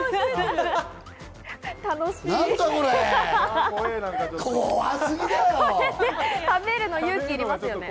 楽しみですよね。